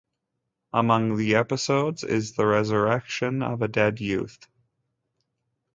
Among the episodes is the resurrection of a dead youth.